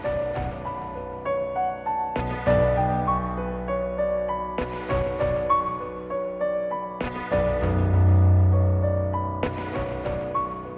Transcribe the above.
jadi terserah akulah